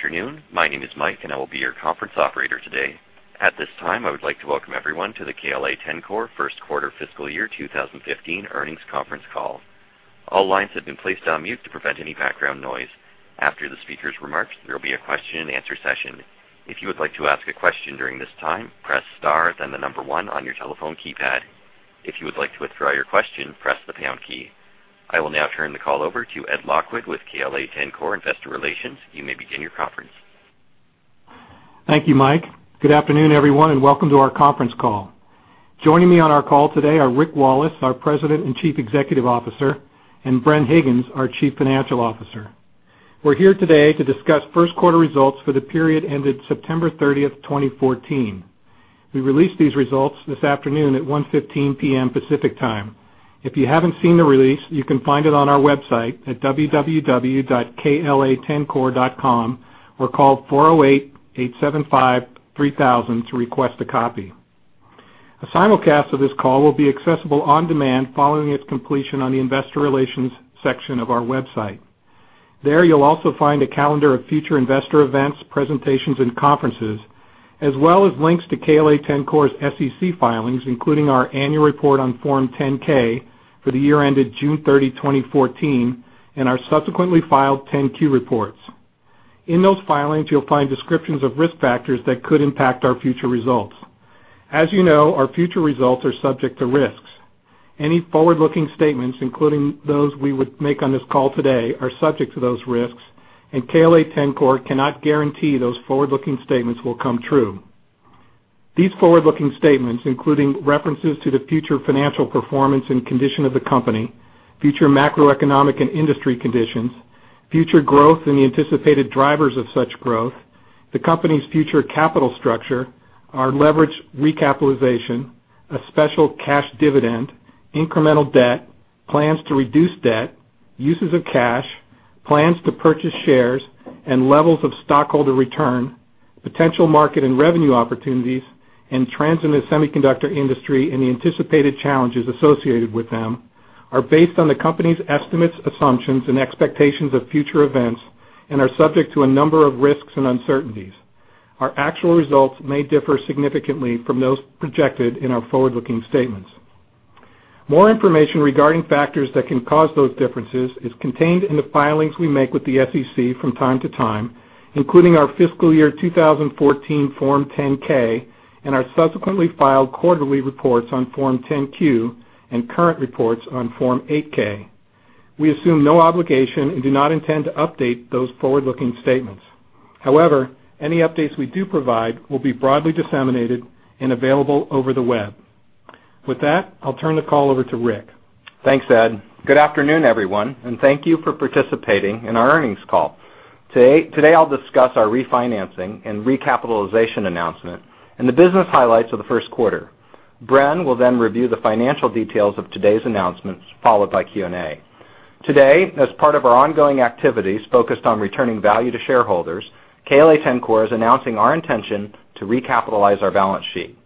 Afternoon. My name is Mike. I will be your conference operator today. At this time, I would like to welcome everyone to the KLA-Tencor first quarter fiscal year 2015 earnings conference call. All lines have been placed on mute to prevent any background noise. After the speaker's remarks, there will be a question and answer session. If you would like to ask a question during this time, press star, then the number 1 on your telephone keypad. If you would like to withdraw your question, press the pound key. I will now turn the call over to Ed Lockwood with KLA-Tencor Investor Relations. You may begin your conference. Thank you, Mike. Good afternoon, everyone. Welcome to our conference call. Joining me on our call today are Rick Wallace, our President and Chief Executive Officer, and Bren Higgins, our Chief Financial Officer. We're here today to discuss first quarter results for the period ended September 30th, 2014. We released these results this afternoon at 1:15 P.M. Pacific Time. If you haven't seen the release, you can find it on our website at www.kla-tencor.com or call 408-875-3000 to request a copy. A simulcast of this call will be accessible on demand following its completion on the investor relations section of our website. There, you'll also find a calendar of future investor events, presentations, and conferences, as well as links to KLA-Tencor's SEC filings, including our annual report on Form 10-K for the year ended June 30, 2014, and our subsequently filed 10-Q reports. In those filings, you'll find descriptions of risk factors that could impact our future results. As you know, our future results are subject to risks. Any forward-looking statements, including those we would make on this call today, are subject to those risks. KLA-Tencor cannot guarantee those forward-looking statements will come true. These forward-looking statements, including references to the future financial performance and condition of the company, future macroeconomic and industry conditions, future growth and the anticipated drivers of such growth, the company's future capital structure, our leverage recapitalization, a special cash dividend, incremental debt, plans to reduce debt, uses of cash, plans to purchase shares and levels of stockholder return, potential market and revenue opportunities, and trends in the semiconductor industry and the anticipated challenges associated with them, are based on the company's estimates, assumptions and expectations of future events and are subject to a number of risks and uncertainties. Our actual results may differ significantly from those projected in our forward-looking statements. More information regarding factors that can cause those differences is contained in the filings we make with the SEC from time to time, including our fiscal year 2014 Form 10-K and our subsequently filed quarterly reports on Form 10-Q and current reports on Form 8-K. We assume no obligation and do not intend to update those forward-looking statements. Any updates we do provide will be broadly disseminated and available over the web. With that, I'll turn the call over to Rick. Thanks, Ed. Good afternoon, everyone, and thank you for participating in our earnings call. Today, I'll discuss our refinancing and recapitalization announcement and the business highlights of the first quarter. Bren will then review the financial details of today's announcements, followed by Q&A. Today, as part of our ongoing activities focused on returning value to shareholders, KLA-Tencor is announcing our intention to recapitalize our balance sheet.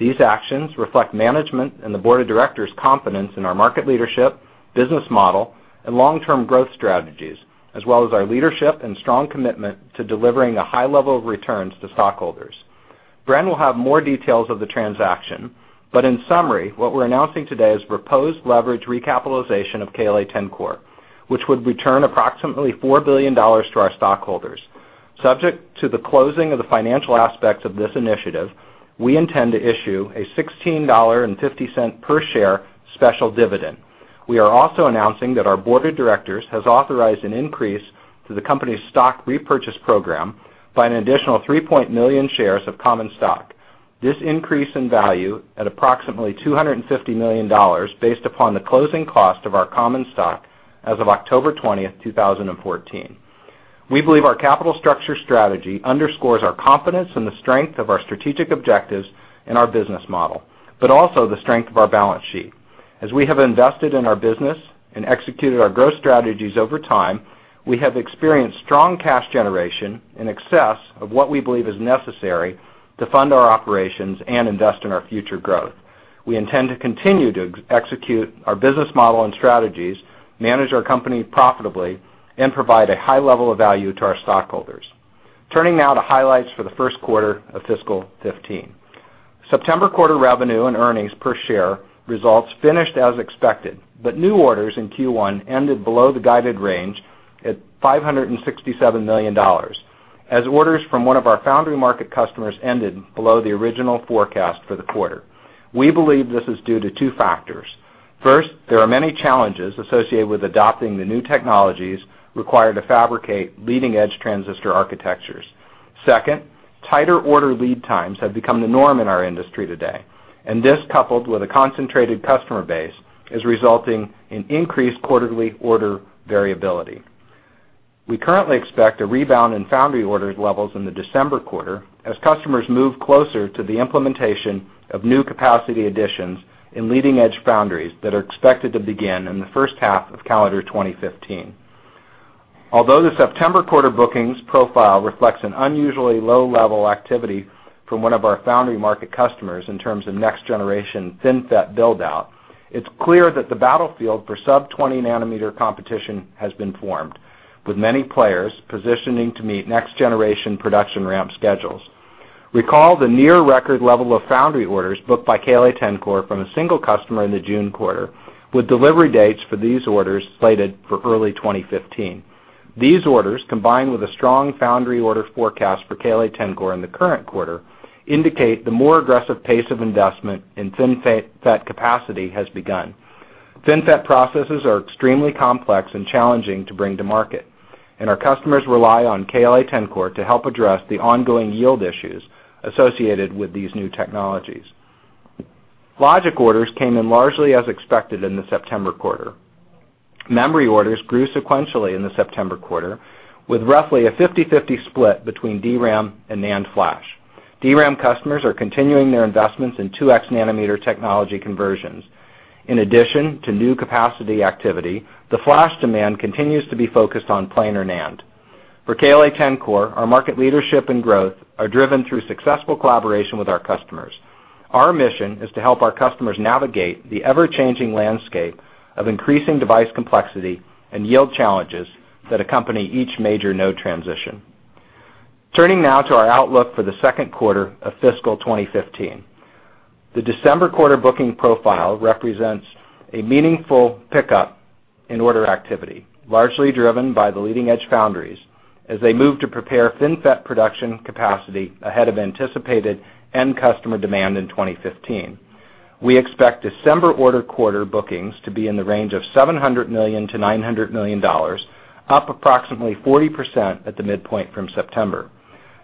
These actions reflect management and the board of directors' confidence in our market leadership, business model, and long-term growth strategies, as well as our leadership and strong commitment to delivering a high level of returns to stockholders. Bren will have more details of the transaction, in summary, what we're announcing today is proposed leverage recapitalization of KLA-Tencor, which would return approximately $4 billion to our stockholders. Subject to the closing of the financial aspects of this initiative, we intend to issue a $16.50 per share special dividend. We are also announcing that our board of directors has authorized an increase to the company's stock repurchase program by an additional 3 million shares of common stock. This increase in value at approximately $250 million based upon the closing cost of our common stock as of October 20th, 2014. We believe our capital structure strategy underscores our confidence in the strength of our strategic objectives and our business model, but also the strength of our balance sheet. As we have invested in our business and executed our growth strategies over time, we have experienced strong cash generation in excess of what we believe is necessary to fund our operations and invest in our future growth. We intend to continue to execute our business model and strategies, manage our company profitably, and provide a high level of value to our stockholders. Turning now to highlights for the first quarter of fiscal 2015. September quarter revenue and earnings per share results finished as expected, new orders in Q1 ended below the guided range at $567 million, as orders from one of our foundry market customers ended below the original forecast for the quarter. We believe this is due to two factors. First, there are many challenges associated with adopting the new technologies required to fabricate leading-edge transistor architectures. Second, tighter order lead times have become the norm in our industry today, and this, coupled with a concentrated customer base, is resulting in increased quarterly order variability. We currently expect a rebound in foundry orders levels in the December quarter as customers move closer to the implementation of new capacity additions in leading-edge foundries that are expected to begin in the first half of calendar 2015. Although the September quarter bookings profile reflects an unusually low level activity from one of our foundry market customers in terms of next-generation FinFET build-out, it is clear that the battlefield for sub-20 nanometer competition has been formed, with many players positioning to meet next generation production ramp schedules. Recall the near record level of foundry orders booked by KLA-Tencor from a single customer in the June quarter, with delivery dates for these orders slated for early 2015. These orders, combined with a strong foundry order forecast for KLA-Tencor in the current quarter, indicate the more aggressive pace of investment in FinFET capacity has begun. FinFET processes are extremely complex and challenging to bring to market, and our customers rely on KLA-Tencor to help address the ongoing yield issues associated with these new technologies. Logic orders came in largely as expected in the September quarter. Memory orders grew sequentially in the September quarter, with roughly a 50/50 split between DRAM and NAND flash. DRAM customers are continuing their investments in 2x nanometer technology conversions. In addition to new capacity activity, the flash demand continues to be focused on planar NAND. For KLA-Tencor, our market leadership and growth are driven through successful collaboration with our customers. Our mission is to help our customers navigate the ever-changing landscape of increasing device complexity and yield challenges that accompany each major node transition. Turning now to our outlook for the second quarter of fiscal 2015. The December quarter booking profile represents a meaningful pickup in order activity, largely driven by the leading-edge foundries as they move to prepare FinFET production capacity ahead of anticipated end customer demand in 2015. We expect December order quarter bookings to be in the range of $700 million-$900 million, up approximately 40% at the midpoint from September.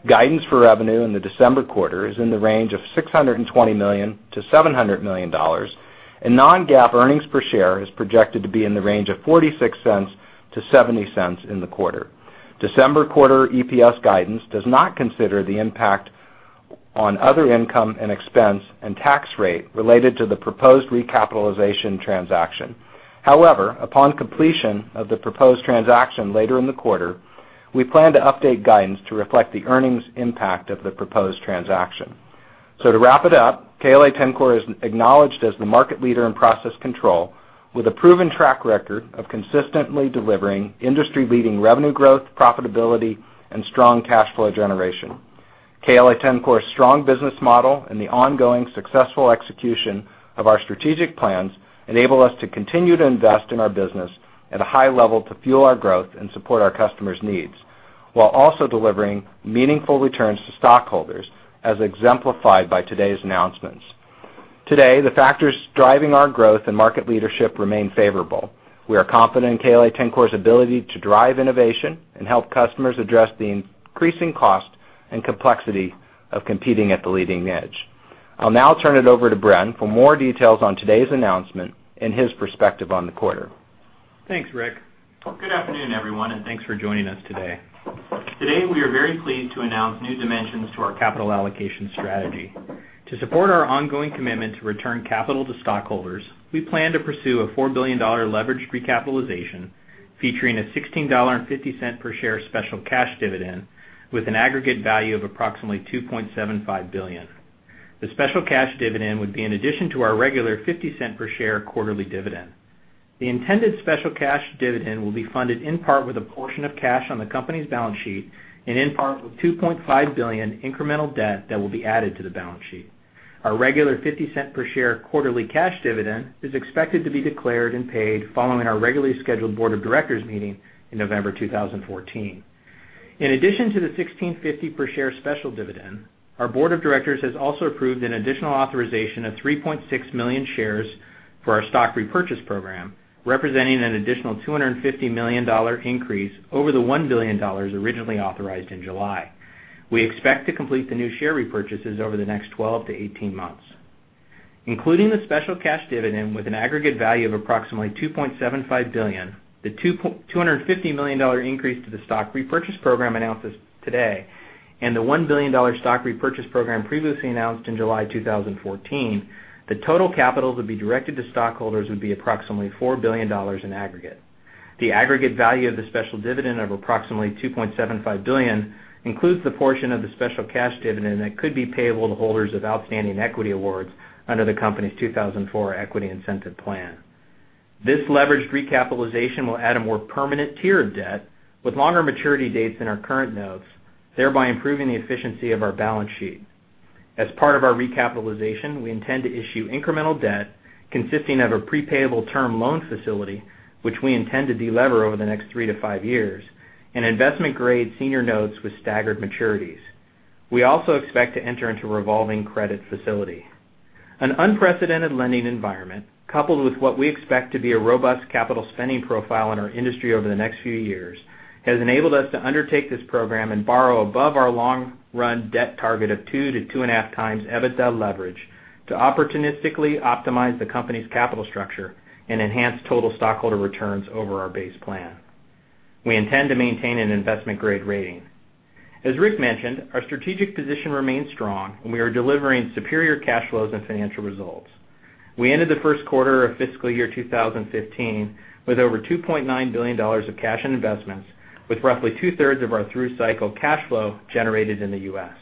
Guidance for revenue in the December quarter is in the range of $620 million-$700 million, and non-GAAP earnings per share is projected to be in the range of $0.46-$0.70 in the quarter. December quarter EPS guidance does not consider the impact on other income and expense and tax rate related to the proposed recapitalization transaction. However, upon completion of the proposed transaction later in the quarter, we plan to update guidance to reflect the earnings impact of the proposed transaction. To wrap it up, KLA-Tencor is acknowledged as the market leader in process control with a proven track record of consistently delivering industry-leading revenue growth, profitability, and strong cash flow generation. KLA-Tencor's strong business model and the ongoing successful execution of our strategic plans enable us to continue to invest in our business at a high level to fuel our growth and support our customers' needs, while also delivering meaningful returns to stockholders, as exemplified by today's announcements. Today, the factors driving our growth and market leadership remain favorable. We are confident in KLA-Tencor's ability to drive innovation and help customers address the increasing cost and complexity of competing at the leading edge. I will now turn it over to Bren for more details on today's announcement and his perspective on the quarter. Thanks, Rick. Good afternoon, everyone, and thanks for joining us today. Today, we are very pleased to announce new dimensions to our capital allocation strategy. To support our ongoing commitment to return capital to stockholders, we plan to pursue a $4 billion leveraged recapitalization featuring a $16.50 per share special cash dividend with an aggregate value of approximately $2.75 billion. The special cash dividend would be an addition to our regular $0.50 per share quarterly dividend. The intended special cash dividend will be funded in part with a portion of cash on the company's balance sheet and in part with $2.5 billion incremental debt that will be added to the balance sheet. Our regular $0.50 per share quarterly cash dividend is expected to be declared and paid following our regularly scheduled board of directors meeting in November 2014. In addition to the $16.50 per share special dividend, our board of directors has also approved an additional authorization of 3.6 million shares for our stock repurchase program, representing an additional $250 million increase over the $1 billion originally authorized in July. We expect to complete the new share repurchases over the next 12 to 18 months. Including the special cash dividend with an aggregate value of approximately $2.75 billion, the $250 million increase to the stock repurchase program announced today, and the $1 billion stock repurchase program previously announced in July 2014, the total capital to be directed to stockholders would be approximately $4 billion in aggregate. The aggregate value of the special dividend of approximately $2.75 billion includes the portion of the special cash dividend that could be payable to holders of outstanding equity awards under the company's 2004 Equity Incentive Plan. This leveraged recapitalization will add a more permanent tier of debt with longer maturity dates than our current notes, thereby improving the efficiency of our balance sheet. As part of our recapitalization, we intend to issue incremental debt consisting of a pre-payable term loan facility, which we intend to de-lever over the next three to five years, and investment-grade senior notes with staggered maturities. We also expect to enter into a revolving credit facility. An unprecedented lending environment, coupled with what we expect to be a robust capital spending profile in our industry over the next few years, has enabled us to undertake this program and borrow above our long-run debt target of two to two and a half times EBITDA leverage to opportunistically optimize the company's capital structure and enhance total stockholder returns over our base plan. We intend to maintain an investment-grade rating. As Rick mentioned, our strategic position remains strong, and we are delivering superior cash flows and financial results. We ended the first quarter of fiscal year 2015 with over $2.9 billion of cash and investments, with roughly two-thirds of our through-cycle cash flow generated in the U.S.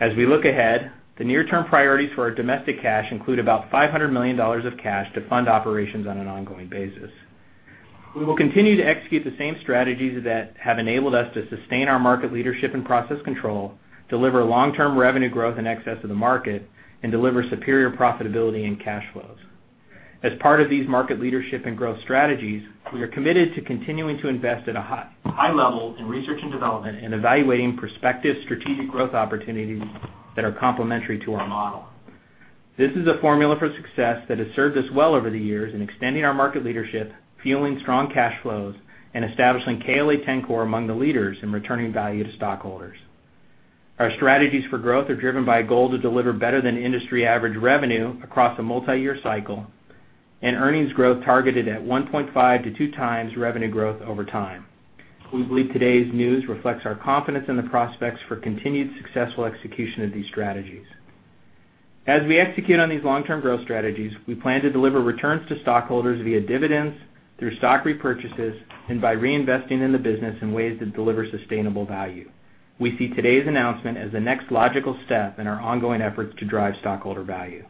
As we look ahead, the near-term priorities for our domestic cash include about $500 million of cash to fund operations on an ongoing basis. We will continue to execute the same strategies that have enabled us to sustain our market leadership in process control, deliver long-term revenue growth in excess of the market, and deliver superior profitability and cash flows. As part of these market leadership and growth strategies, we are committed to continuing to invest at a high level in research and development and evaluating prospective strategic growth opportunities that are complementary to our model. This is a formula for success that has served us well over the years in extending our market leadership, fueling strong cash flows, and establishing KLA-Tencor among the leaders in returning value to stockholders. Our strategies for growth are driven by a goal to deliver better than industry average revenue across a multi-year cycle and earnings growth targeted at 1.5x-2x revenue growth over time. We believe today's news reflects our confidence in the prospects for continued successful execution of these strategies. As we execute on these long-term growth strategies, we plan to deliver returns to stockholders via dividends, through stock repurchases, and by reinvesting in the business in ways that deliver sustainable value. We see today's announcement as the next logical step in our ongoing efforts to drive stockholder value.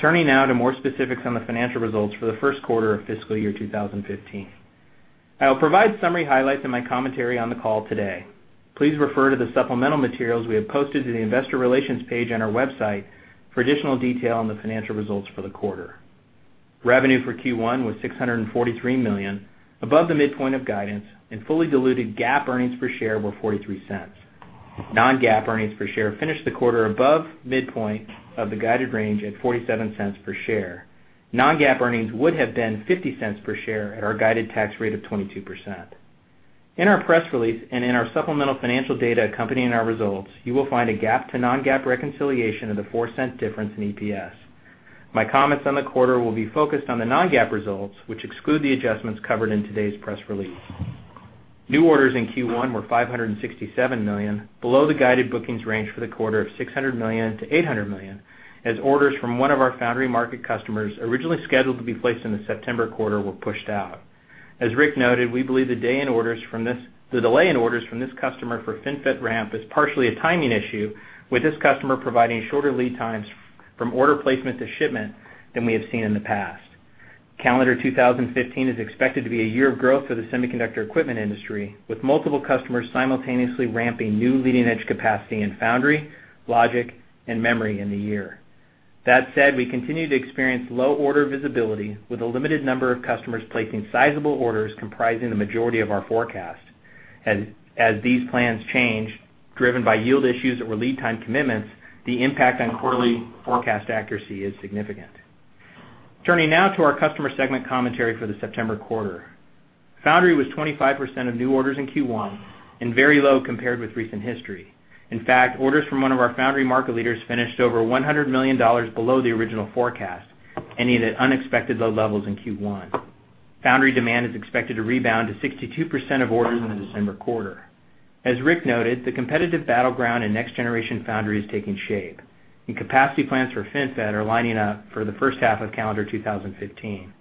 Turning now to more specifics on the financial results for the first quarter of fiscal year 2015. I will provide summary highlights in my commentary on the call today. Please refer to the supplemental materials we have posted to the investor relations page on our website for additional detail on the financial results for the quarter. Revenue for Q1 was $643 million, above the midpoint of guidance, and fully diluted GAAP EPS were $0.43. non-GAAP EPS finished the quarter above midpoint of the guided range at $0.47 per share. non-GAAP earnings would have been $0.50 per share at our guided tax rate of 22%. In our press release and in our supplemental financial data accompanying our results, you will find a GAAP to non-GAAP reconciliation of the $0.04 difference in EPS. My comments on the quarter will be focused on the non-GAAP results, which exclude the adjustments covered in today's press release. New orders in Q1 were $567 million, below the guided bookings range for the quarter of $600 million-$800 million, as orders from one of our foundry market customers originally scheduled to be placed in the September quarter were pushed out. As Rick noted, we believe the delay in orders from this customer for FinFET ramp is partially a timing issue, with this customer providing shorter lead times from order placement to shipment than we have seen in the past. Calendar 2015 is expected to be a year of growth for the semiconductor equipment industry, with multiple customers simultaneously ramping new leading edge capacity in foundry, logic, and memory in the year. We continue to experience low order visibility, with a limited number of customers placing sizable orders comprising the majority of our forecast. As these plans change, driven by yield issues or lead time commitments, the impact on quarterly forecast accuracy is significant. Turning now to our customer segment commentary for the September quarter. Foundry was 25% of new orders in Q1 and very low compared with recent history. In fact, orders from one of our foundry market leaders finished over $100 million below the original forecast, ending at unexpected low levels in Q1. Foundry demand is expected to rebound to 62% of orders in the December quarter. As Rick noted, the competitive battleground in next generation foundry is taking shape, and capacity plans for FinFET are lining up for the first half of calendar 2015.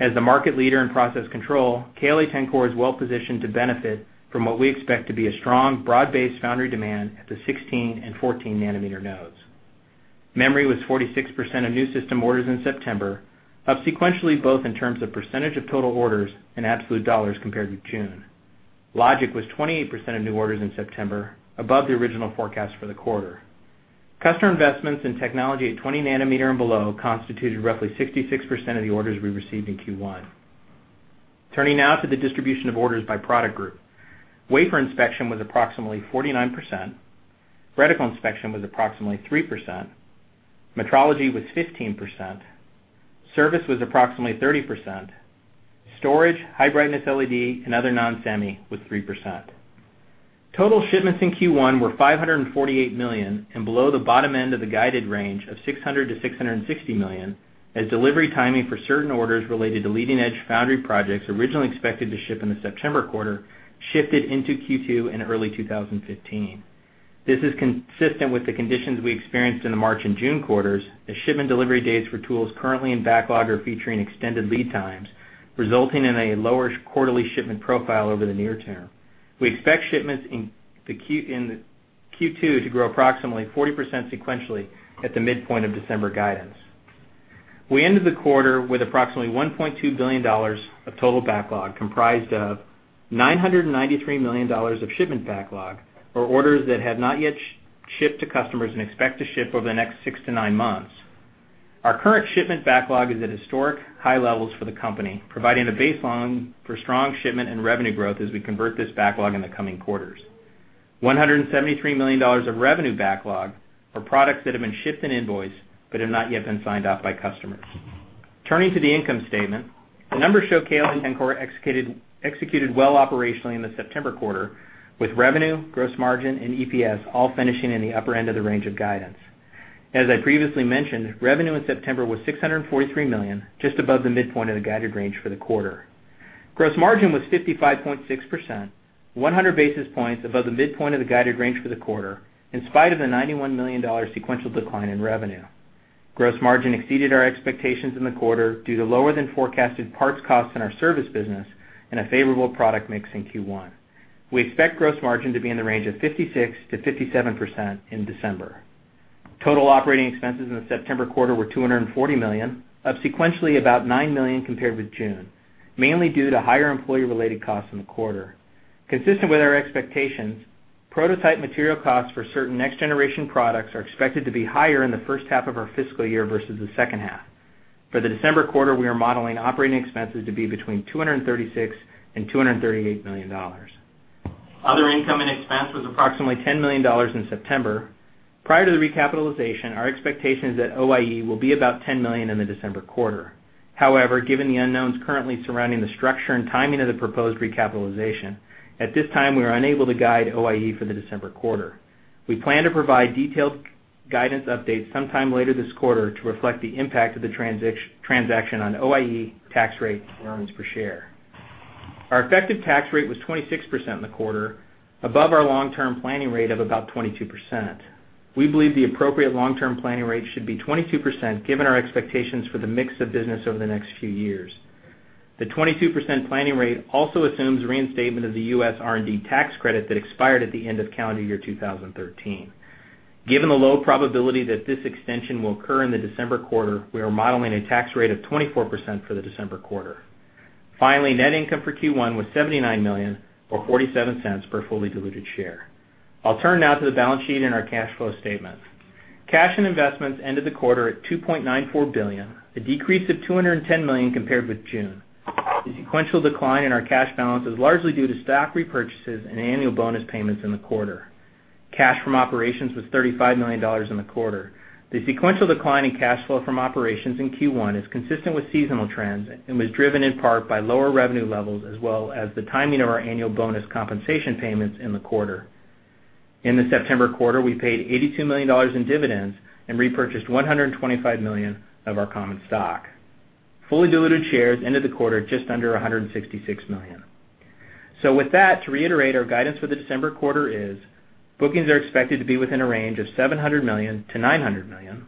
As the market leader in process control, KLA-Tencor is well positioned to benefit from what we expect to be a strong, broad-based foundry demand at the 16 and 14 nanometer nodes. Memory was 46% of new system orders in September, up sequentially both in terms of percentage of total orders and absolute dollars compared with June. Logic was 28% of new orders in September, above the original forecast for the quarter. Customer investments in technology at 20 nanometer and below constituted roughly 66% of the orders we received in Q1. Turning now to the distribution of orders by product group. Wafer inspection was approximately 49%, reticle inspection was approximately 3%, metrology was 15%, service was approximately 30%, storage, high brightness LED, and other non-semi was 3%. Total shipments in Q1 were $548 million and below the bottom end of the guided range of $600 million-$660 million, as delivery timing for certain orders related to leading edge foundry projects originally expected to ship in the September quarter shifted into Q2 and early 2015. This is consistent with the conditions we experienced in the March and June quarters, as shipment delivery dates for tools currently in backlog are featuring extended lead times, resulting in a lower quarterly shipment profile over the near term. We expect shipments in Q2 to grow approximately 40% sequentially at the midpoint of December guidance. We ended the quarter with approximately $1.2 billion of total backlog, comprised of $993 million of shipment backlog, or orders that have not yet shipped to customers and expect to ship over the next six to nine months. Our current shipment backlog is at historic high levels for the company, providing a baseline for strong shipment and revenue growth as we convert this backlog in the coming quarters. $173 million of revenue backlog are products that have been shipped and invoiced, but have not yet been signed off by customers. Turning to the income statement. The numbers show KLA-Tencor executed well operationally in the September quarter, with revenue, gross margin, and EPS all finishing in the upper end of the range of guidance. As I previously mentioned, revenue in September was $643 million, just above the midpoint of the guided range for the quarter. Gross margin was 55.6%, 100 basis points above the midpoint of the guided range for the quarter, in spite of the $91 million sequential decline in revenue. Gross margin exceeded our expectations in the quarter due to lower than forecasted parts costs in our service business and a favorable product mix in Q1. We expect gross margin to be in the range of 56%-57% in December. Total operating expenses in the September quarter were $240 million, up sequentially about $9 million compared with June, mainly due to higher employee-related costs in the quarter. Consistent with our expectations, prototype material costs for certain next-generation products are expected to be higher in the first half of our fiscal year versus the second half. For the December quarter, we are modeling operating expenses to be between $236 million and $238 million. Other income and expense was approximately $10 million in September. Prior to the recapitalization, our expectation is that OIE will be about $10 million in the December quarter. However, given the unknowns currently surrounding the structure and timing of the proposed recapitalization, at this time, we are unable to guide OIE for the December quarter. We plan to provide detailed guidance updates sometime later this quarter to reflect the impact of the transaction on OIE, tax rate, and earnings per share. Our effective tax rate was 26% in the quarter, above our long-term planning rate of about 22%. We believe the appropriate long-term planning rate should be 22% given our expectations for the mix of business over the next few years. The 22% planning rate also assumes reinstatement of the U.S. R&D tax credit that expired at the end of calendar year 2013. Given the low probability that this extension will occur in the December quarter, we are modeling a tax rate of 24% for the December quarter. Net income for Q1 was $79 million, or $0.47 per fully diluted share. I'll turn now to the balance sheet and our cash flow statement. Cash and investments ended the quarter at $2.94 billion, a decrease of $210 million compared with June. The sequential decline in our cash balance is largely due to stock repurchases and annual bonus payments in the quarter. Cash from operations was $35 million in the quarter. The sequential decline in cash flow from operations in Q1 is consistent with seasonal trends and was driven in part by lower revenue levels as well as the timing of our annual bonus compensation payments in the quarter. In the September quarter, we paid $82 million in dividends and repurchased $125 million of our common stock. Fully diluted shares ended the quarter just under 166 million. With that, to reiterate our guidance for the December quarter is, bookings are expected to be within a range of $700 million-$900 million,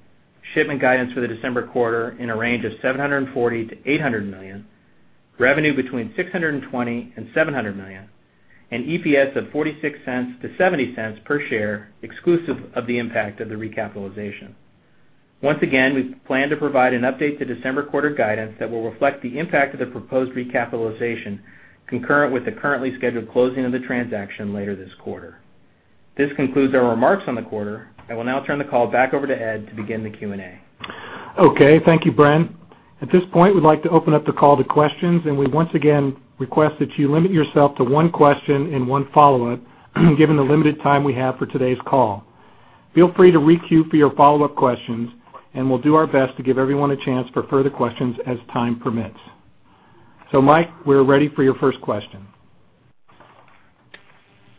shipment guidance for the December quarter in a range of $740 million-$800 million, revenue between $620 million and $700 million, and EPS of $0.46-$0.70 per share, exclusive of the impact of the recapitalization. Once again, we plan to provide an update to December quarter guidance that will reflect the impact of the proposed recapitalization concurrent with the currently scheduled closing of the transaction later this quarter. This concludes our remarks on the quarter. I will now turn the call back over to Ed to begin the Q&A. Thank you, Bren. At this point, we'd like to open up the call to questions, we once again request that you limit yourself to one question and one follow-up, given the limited time we have for today's call. Feel free to re-queue for your follow-up questions, we'll do our best to give everyone a chance for further questions as time permits. Mike, we're ready for your first question.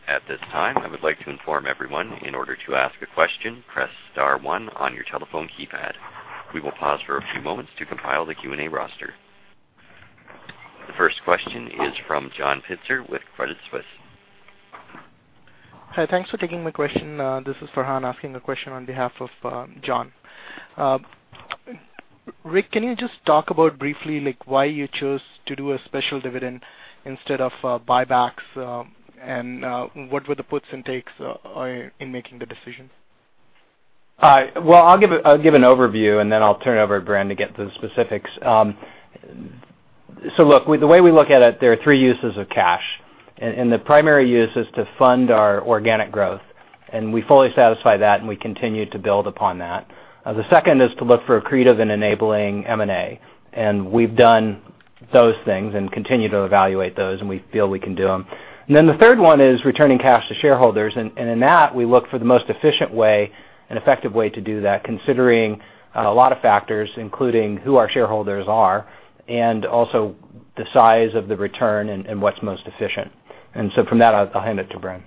At this time, I would like to inform everyone, in order to ask a question, press star one on your telephone keypad. We will pause for a few moments to compile the Q&A roster. The first question is from John Pitzer with Credit Suisse. Hi, thanks for taking my question. This is Farhan asking a question on behalf of John. Rick, can you just talk about briefly why you chose to do a special dividend instead of buybacks, and what were the puts and takes in making the decision? I'll give an overview, then I'll turn it over to Bren to get to the specifics. Look, the way we look at it, there are three uses of cash, the primary use is to fund our organic growth. We fully satisfy that, we continue to build upon that. The second is to look for accretive and enabling M&A. We've done those things and continue to evaluate those, we feel we can do them. The third one is returning cash to shareholders. In that, we look for the most efficient way and effective way to do that, considering a lot of factors, including who our shareholders are and also the size of the return and what's most efficient. From that, I'll hand it to Bren.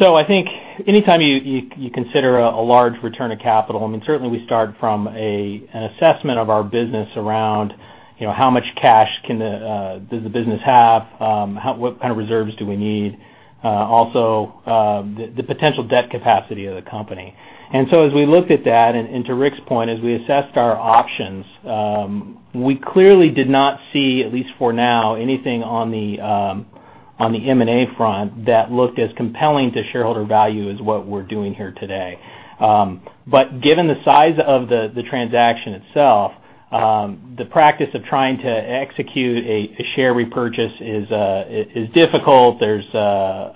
I think anytime you consider a large return of capital, certainly we start from an assessment of our business around how much cash does the business have? What kind of reserves do we need? Also, the potential debt capacity of the company. As we looked at that, and to Rick's point, as we assessed our options, we clearly did not see, at least for now, anything on the M&A front that looked as compelling to shareholder value as what we're doing here today. Given the size of the transaction itself, the practice of trying to execute a share repurchase is difficult. There's a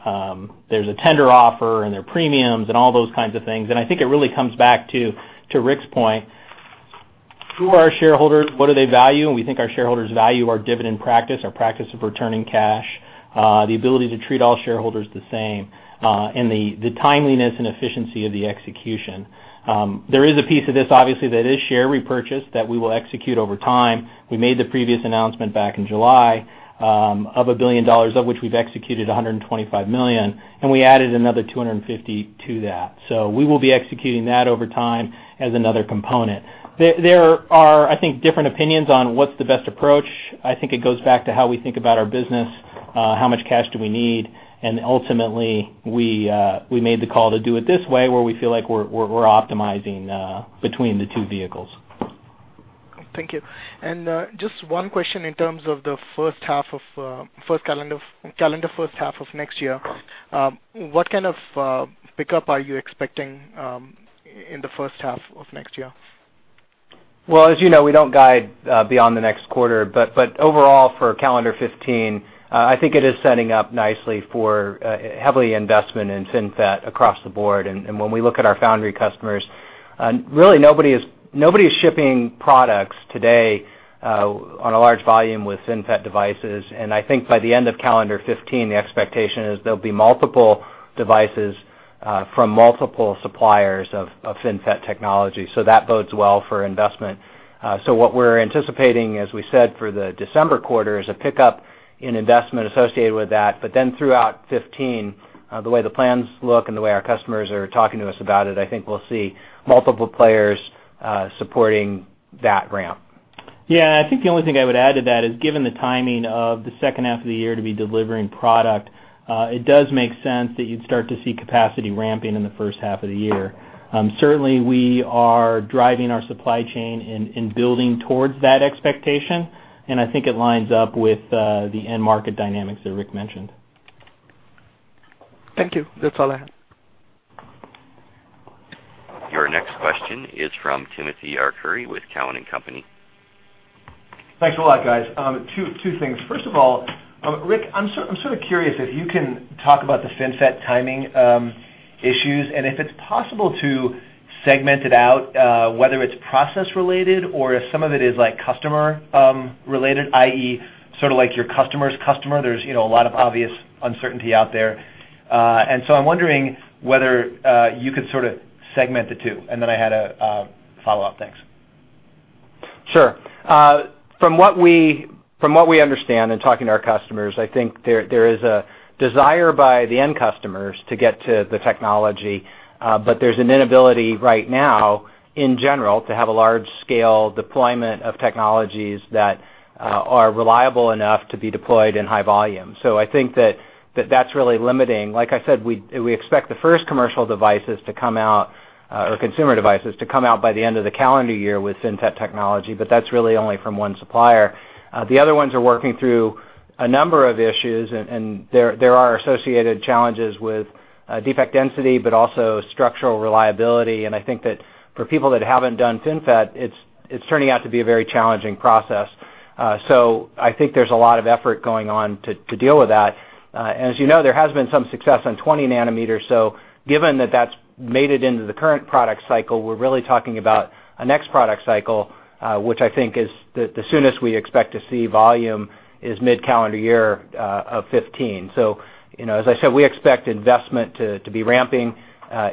tender offer and there are premiums and all those kinds of things. I think it really comes back to Rick's point. Who are our shareholders? What do they value? We think our shareholders value our dividend practice, our practice of returning cash, the ability to treat all shareholders the same, and the timeliness and efficiency of the execution. There is a piece of this, obviously, that is share repurchase that we will execute over time. We made the previous announcement back in July of $1 billion, of which we've executed $125 million, and we added another $250 million to that. We will be executing that over time as another component. There are, I think, different opinions on what's the best approach. It goes back to how we think about our business How much cash do we need? Ultimately, we made the call to do it this way, where we feel like we're optimizing between the two vehicles. Thank you. Just one question in terms of the calendar first half of next year. What kind of pickup are you expecting in the first half of next year? Well, as you know, we don't guide beyond the next quarter. Overall, for calendar 2015, I think it is setting up nicely for heavy investment in FinFET across the board. When we look at our foundry customers, really, nobody is shipping products today on a large volume with FinFET devices. I think by the end of calendar 2015, the expectation is there'll be multiple devices from multiple suppliers of FinFET technology. That bodes well for investment. What we're anticipating, as we said, for the December quarter, is a pickup in investment associated with that. Throughout 2015, the way the plans look and the way our customers are talking to us about it, I think we'll see multiple players supporting that ramp. I think the only thing I would add to that is, given the timing of the second half of the year to be delivering product, it does make sense that you'd start to see capacity ramping in the first half of the year. Certainly, we are driving our supply chain and building towards that expectation. I think it lines up with the end market dynamics that Rick mentioned. Thank you. That's all I have. Your next question is from Timothy Arcuri with Cowen and Company. Thanks a lot, guys. Two things. First of all, Rick, I'm sort of curious if you can talk about the FinFET timing issues and if it's possible to segment it out, whether it's process related or if some of it is customer related, i.e., sort of like your customer's customer. There's a lot of obvious uncertainty out there. I'm wondering whether you could sort of segment the two. Then I had a follow-up. Thanks. Sure. From what we understand in talking to our customers, I think there is a desire by the end customers to get to the technology, but there's an inability right now, in general, to have a large-scale deployment of technologies that are reliable enough to be deployed in high volume. I think that that's really limiting. Like I said, we expect the first commercial devices to come out, or consumer devices to come out by the end of the calendar year with FinFET technology, but that's really only from one supplier. The other ones are working through a number of issues, and there are associated challenges with defect density, but also structural reliability. I think that for people that haven't done FinFET, it's turning out to be a very challenging process. I think there's a lot of effort going on to deal with that. As you know, there has been some success on 20 nanometers, given that that's made it into the current product cycle, we're really talking about a next product cycle, which I think the soonest we expect to see volume is mid-calendar year of 2015. As I said, we expect investment to be ramping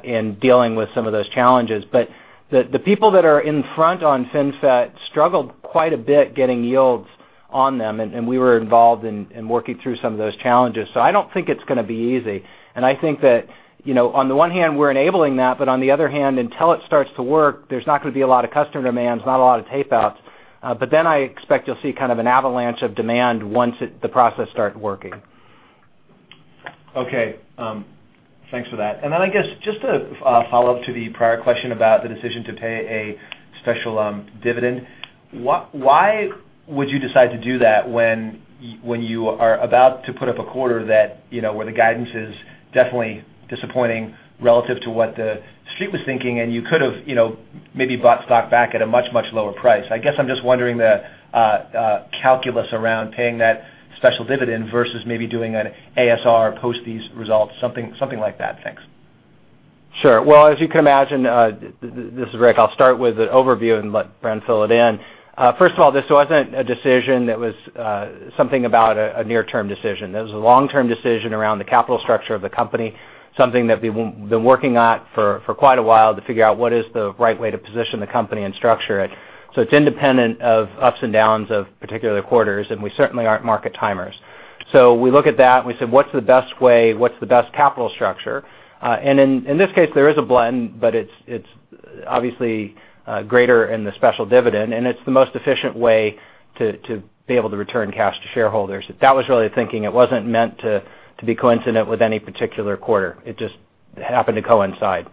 in dealing with some of those challenges, but the people that are in front on FinFET struggled quite a bit getting yields on them, and we were involved in working through some of those challenges. I don't think it's going to be easy, and I think that on the one hand, we're enabling that, but on the other hand, until it starts to work, there's not going to be a lot of customer demands, not a lot of tape outs. I expect you'll see kind of an avalanche of demand once the process starts working. Okay. Thanks for that. I guess just a follow-up to the prior question about the decision to pay a special dividend. Why would you decide to do that when you are about to put up a quarter where the guidance is definitely disappointing relative to what The Street was thinking, and you could have maybe bought stock back at a much, much lower price? I guess I'm just wondering the calculus around paying that special dividend versus maybe doing an ASR post these results, something like that. Thanks. Sure. Well, as you can imagine, this is Rick, I'll start with an overview and let Bren fill it in. First of all, this wasn't a decision that was something about a near-term decision. It was a long-term decision around the capital structure of the company, something that we've been working on for quite a while to figure out what is the right way to position the company and structure it. It's independent of ups and downs of particular quarters, and we certainly aren't market timers. We look at that and we said, "What's the best way? What's the best capital structure?" In this case, there is a blend, but it's obviously greater in the special dividend, and it's the most efficient way to be able to return cash to shareholders. That was really the thinking. It wasn't meant to be coincident with any particular quarter. It just happened to coincide.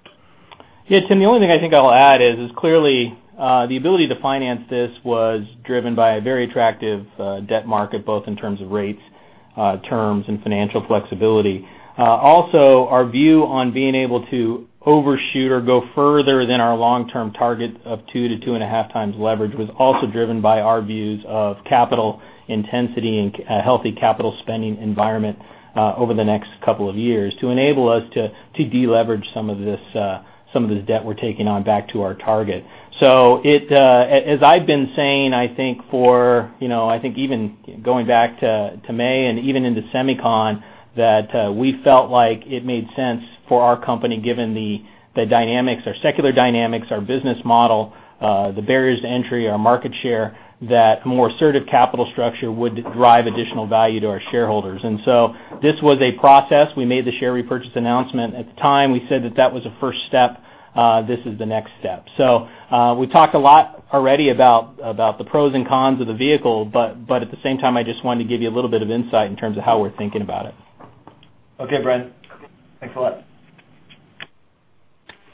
Yeah, Timothy, the only thing I think I'll add is clearly, the ability to finance this was driven by a very attractive debt market, both in terms of rates, terms, and financial flexibility. Also, our view on being able to overshoot or go further than our long-term target of two to two and a half times leverage was also driven by our views of capital intensity and a healthy capital spending environment over the next couple of years to enable us to deleverage some of this debt we're taking on back to our target. As I've been saying, I think even going back to May and even into SEMICON, that we felt like it made sense for our company, given the dynamics, our secular dynamics, our business model, the barriers to entry, our market share, that more assertive capital structure would drive additional value to our shareholders. This was a process. We made the share repurchase announcement. At the time, we said that that was a first step This is the next step. We've talked a lot already about the pros and cons of the vehicle, at the same time, I just wanted to give you a little bit of insight in terms of how we're thinking about it. Okay, Bren. Thanks a lot.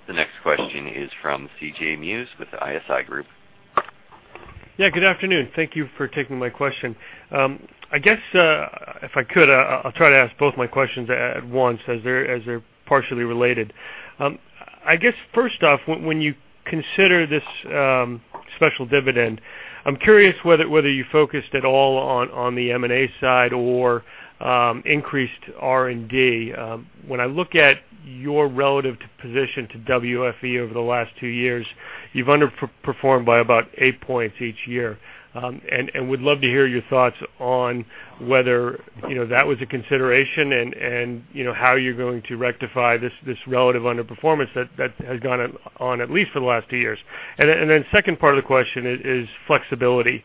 The next question is from C.J. Muse with ISI Group. Good afternoon. Thank you for taking my question. I guess, if I could, I'll try to ask both my questions at once as they're partially related. I guess first off, when you consider this special dividend, I'm curious whether you focused at all on the M&A side or increased R&D. When I look at your relative position to WFE over the last two years, you've underperformed by about eight points each year. Would love to hear your thoughts on whether that was a consideration and how you're going to rectify this relative underperformance that has gone on at least for the last two years. The second part of the question is flexibility.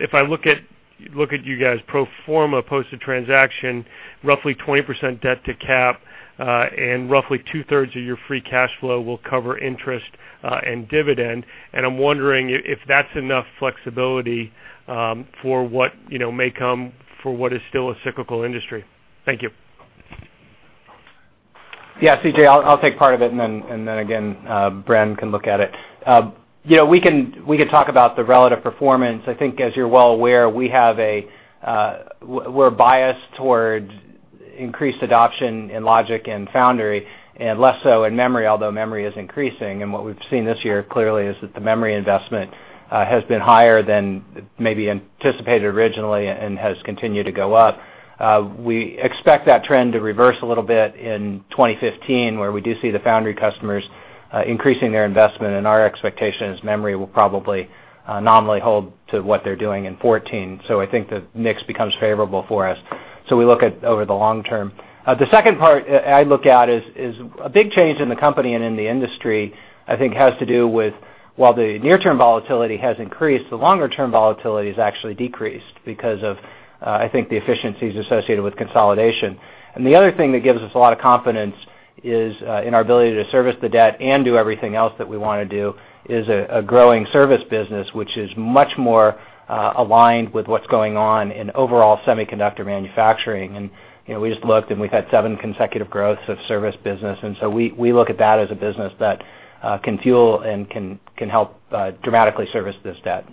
If I look at you guys pro forma post the transaction, roughly 20% debt to cap, and roughly two-thirds of your free cash flow will cover interest and dividend, and I'm wondering if that's enough flexibility for what may come for what is still a cyclical industry. Thank you. Yeah, C.J., I'll take part of it, and then again, Bren can look at it. We can talk about the relative performance. I think as you're well aware, we're biased towards increased adoption in logic and foundry, and less so in memory, although memory is increasing, and what we've seen this year clearly is that the memory investment has been higher than maybe anticipated originally and has continued to go up. We expect that trend to reverse a little bit in 2015, where we do see the foundry customers increasing their investment, and our expectation is memory will probably nominally hold to what they're doing in 2014. I think the mix becomes favorable for us. We look at over the long term. The second part I look at is a big change in the company and in the industry, I think has to do with, while the near-term volatility has increased, the longer-term volatility has actually decreased because of, I think, the efficiencies associated with consolidation. The other thing that gives us a lot of confidence in our ability to service the debt and do everything else that we want to do is a growing service business, which is much more aligned with what's going on in overall semiconductor manufacturing. We just looked, and we've had seven consecutive growths of service business, and so we look at that as a business that can fuel and can help dramatically service this debt.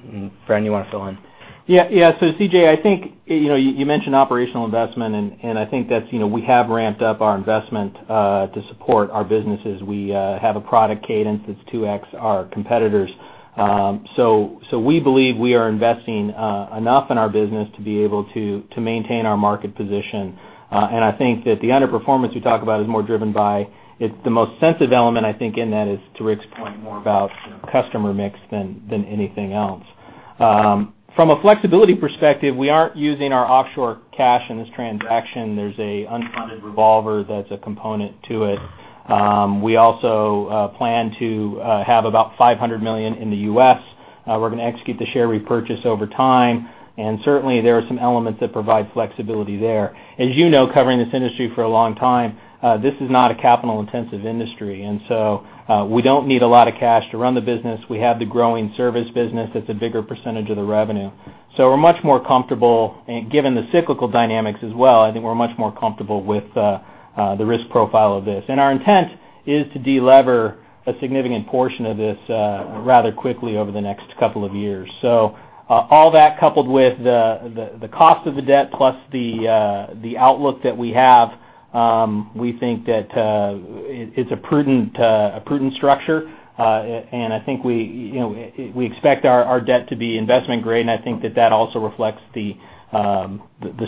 Bren, you want to fill in? Yeah. C.J., I think you mentioned operational investment, and I think we have ramped up our investment to support our businesses. We have a product cadence that's 2X our competitors. We believe we are investing enough in our business to be able to maintain our market position. I think that the underperformance you talk about is more driven by, the most sensitive element, I think in that is to Rick's point, more about customer mix than anything else. From a flexibility perspective, we aren't using our offshore cash in this transaction. There's an unfunded revolver that's a component to it. We also plan to have about $500 million in the U.S. We're going to execute the share repurchase over time, and certainly, there are some elements that provide flexibility there. As you know, covering this industry for a long time, this is not a capital-intensive industry. We don't need a lot of cash to run the business. We have the growing service business that's a bigger percentage of the revenue. We're much more comfortable, and given the cyclical dynamics as well, I think we're much more comfortable with the risk profile of this. Our intent is to de-lever a significant portion of this rather quickly over the next couple of years. All that coupled with the cost of the debt plus the outlook that we have, we think that it's a prudent structure, and I think we expect our debt to be investment-grade, and I think that that also reflects the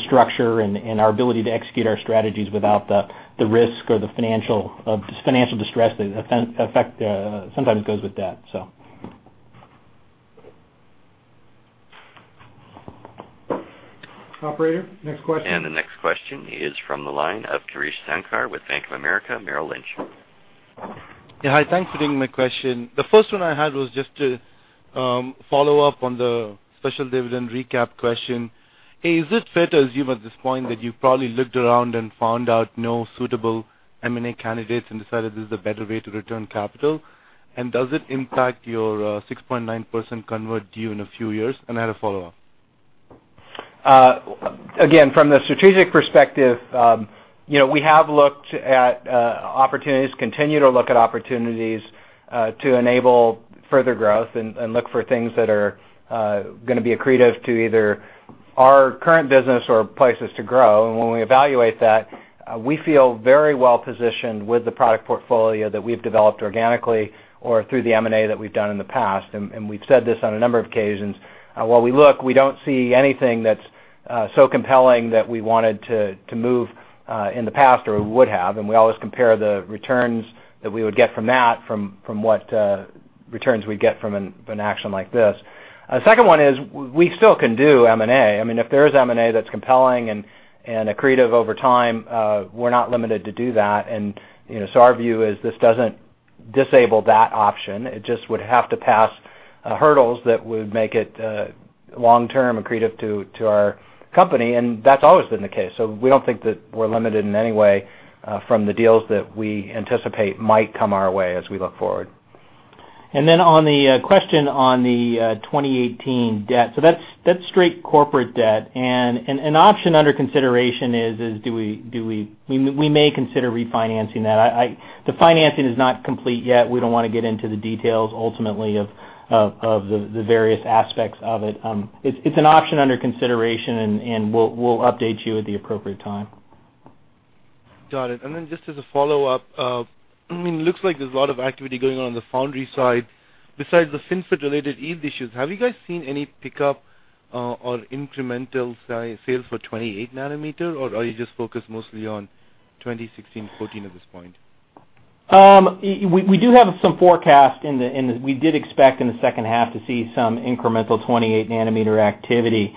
structure and our ability to execute our strategies without the risk or the financial distress that sometimes goes with debt. Operator, next question. The next question is from the line of Krish Sankar with Bank of America Merrill Lynch. Yeah. Hi, thanks for taking my question. The first one I had was just to follow up on the special dividend recap question. Hey, is it fair to assume at this point that you probably looked around and found out no suitable M&A candidates and decided this is a better way to return capital? Does it impact your 6.9% convert due in a few years? I had a follow-up. From the strategic perspective, we have looked at opportunities, continue to look at opportunities to enable further growth and look for things that are going to be accretive to either our current business or places to grow. When we evaluate that, we feel very well-positioned with the product portfolio that we've developed organically or through the M&A that we've done in the past, and we've said this on a number of occasions. While we look, we don't see anything that's so compelling that we wanted to move in the past or would have, and we always compare the returns that we would get from that from what returns we'd get from an action like this. Second one is we still can do M&A. If there is M&A that's compelling and accretive over time, we're not limited to do that. Our view is this doesn't disable that option. It just would have to pass hurdles that would make it long-term accretive to our company, and that's always been the case. We don't think that we're limited in any way from the deals that we anticipate might come our way as we look forward. On the question on the 2018 debt, that's straight corporate debt, an option under consideration is we may consider refinancing that. The financing is not complete yet. We don't want to get into the details ultimately of the various aspects of it. It's an option under consideration, and we'll update you at the appropriate time. Got it. Just as a follow-up, it looks like there's a lot of activity going on in the foundry side besides the FinFET related EUV issues. Have you guys seen any pickup or incremental sales for 28 nanometer, or are you just focused mostly on 2016, 2014 at this point? We do have some forecast. We did expect in the second half to see some incremental 28 nanometer activity.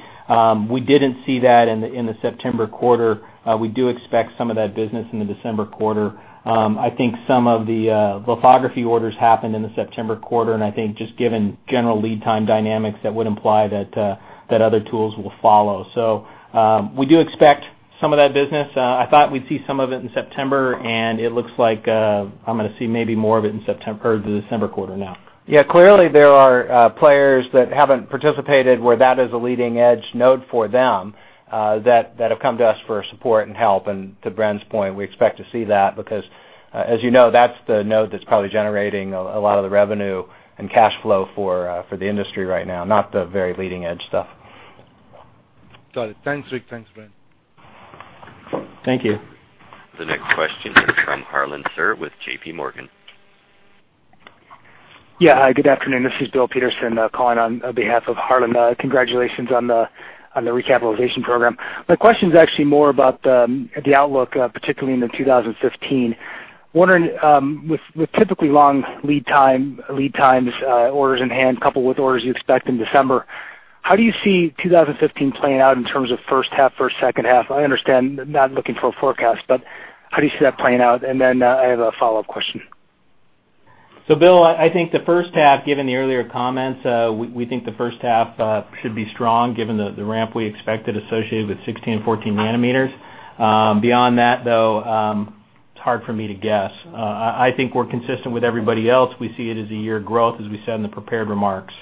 We didn't see that in the September quarter. We do expect some of that business in the December quarter. I think some of the lithography orders happened in the September quarter, and I think just given general lead time dynamics, that would imply that other tools will follow. We do expect some of that business. I thought we'd see some of it in September, and it looks like I'm going to see maybe more of it in the December quarter now. Yeah. Clearly, there are players that haven't participated where that is a leading-edge node for them, that have come to us for support and help. To Brent's point, we expect to see that because, as you know, that's the node that's probably generating a lot of the revenue and cash flow for the industry right now, not the very leading edge stuff. Got it. Thanks, Rick. Thanks, Brent. Thank you. The next question is from Harlan Sur with J.P. Morgan. Yeah. Good afternoon. This is Bill Peterson, calling on behalf of Harlan. Congratulations on the recapitalization program. My question is actually more about the outlook, particularly into 2015. Wondering, with typically long lead times, orders in hand, coupled with orders you expect in December, how do you see 2015 playing out in terms of first half versus second half? I understand, not looking for a forecast, but how do you see that playing out? I have a follow-up question. Bill, I think the first half, given the earlier comments, we think the first half should be strong given the ramp we expected associated with 16 and 14 nanometers. Beyond that, though, it's hard for me to guess. I think we're consistent with everybody else. We see it as a year of growth, as we said in the prepared remarks.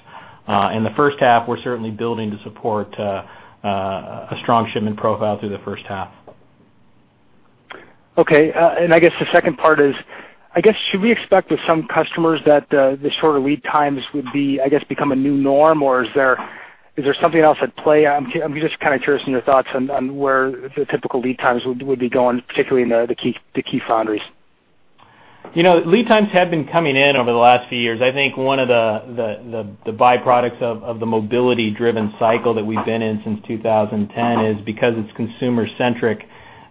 In the first half, we're certainly building to support a strong shipment profile through the first half. Okay. I guess the second part is, should we expect with some customers that the shorter lead times would, I guess, become a new norm, or is there something else at play? I'm just kind of curious on your thoughts on where the typical lead times would be going, particularly in the key foundries. Lead times have been coming in over the last few years. I think one of the byproducts of the mobility-driven cycle that we've been in since 2010 is because it's consumer centric,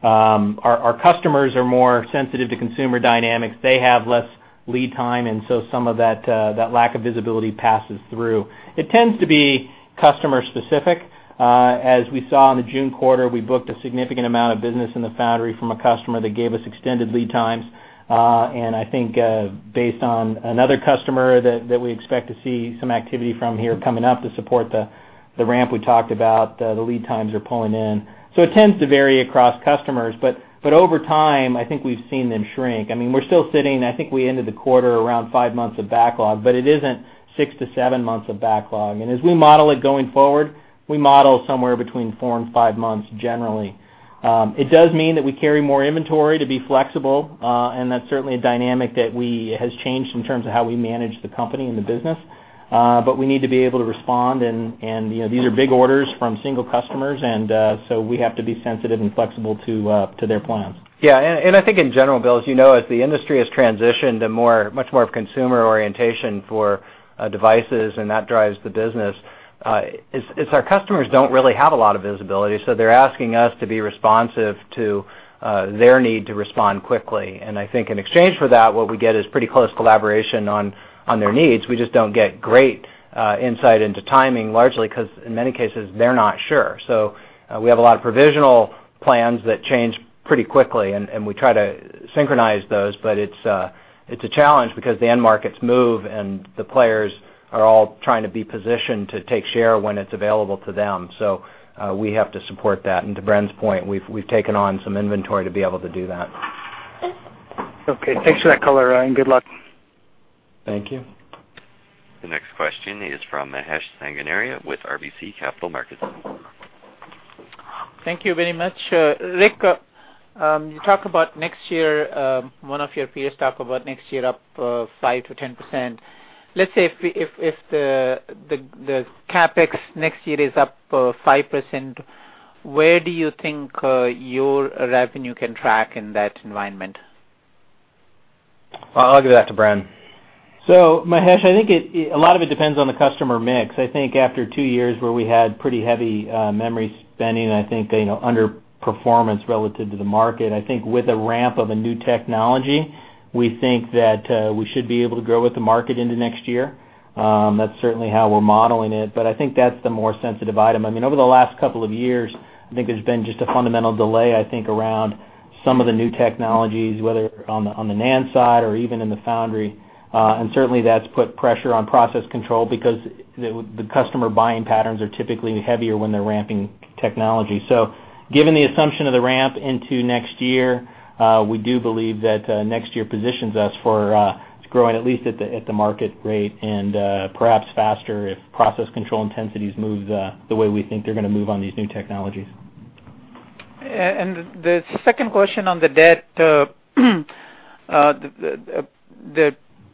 our customers are more sensitive to consumer dynamics. They have less lead time, some of that lack of visibility passes through. It tends to be customer specific. As we saw in the June quarter, we booked a significant amount of business in the foundry from a customer that gave us extended lead times. I think, based on another customer that we expect to see some activity from here coming up to support the ramp we talked about, the lead times are pulling in. It tends to vary across customers, but over time, I think we've seen them shrink. We're still sitting, I think we ended the quarter around five months of backlog, but it isn't six to seven months of backlog. As we model it going forward, we model somewhere between four and five months generally. It does mean that we carry more inventory to be flexible, and that's certainly a dynamic that has changed in terms of how we manage the company and the business. We need to be able to respond, and these are big orders from single customers, and so we have to be sensitive and flexible to their plans. Yeah. I think in general, Bill, as you know, as the industry has transitioned to much more of consumer orientation for devices, and that drives the business, it's our customers don't really have a lot of visibility, so they're asking us to be responsive to their need to respond quickly. I think in exchange for that, what we get is pretty close collaboration on their needs. We just don't get great insight into timing, largely because, in many cases, they're not sure. We have a lot of provisional plans that change pretty quickly, and we try to synchronize those, but it's a challenge because the end markets move, and the players are all trying to be positioned to take share when it's available to them. We have to support that, and to Bren's point, we've taken on some inventory to be able to do that. Okay. Thanks for that color, and good luck. Thank you. The next question is from Mahesh Sanganeria with RBC Capital Markets. Thank you very much. Rick, you talk about next year, one of your peers talk about next year up 5%-10%. Let's say if the CapEx next year is up 5%, where do you think your revenue can track in that environment? I'll give that to Bren. Mahesh, I think a lot of it depends on the customer mix. I think after two years where we had pretty heavy memory spending, and I think underperformance relative to the market, I think with a ramp of a new technology, we think that we should be able to grow with the market into next year. That's certainly how we're modeling it, but I think that's the more sensitive item. Over the last couple of years, I think there's been just a fundamental delay, I think, around some of the new technologies, whether on the NAND side or even in the foundry. Certainly, that's put pressure on process control because the customer buying patterns are typically heavier when they're ramping technology. Given the assumption of the ramp into next year, we do believe that next year positions us for growing at least at the market rate and perhaps faster if process control intensities move the way we think they're going to move on these new technologies. The second question on the debt.